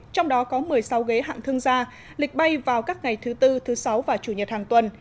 trong đó có một mươi sáu ghế hạng thương gia lịch bay vào các ngày thứ tư thứ sáu và chủ nhật hàng tuần